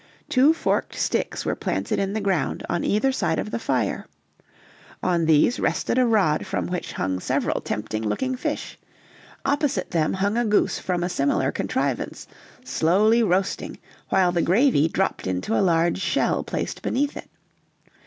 Two forked sticks were planted in the ground on either side of the fire; on these rested a rod from which hung several tempting looking fish; opposite them hung a goose from a similar contrivance, slowly roasting while the gravy dropped into a large shell placed beneath it.